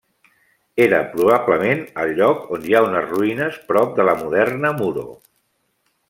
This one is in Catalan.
Era probablement al lloc on hi ha unes ruïnes prop de la moderna Muro.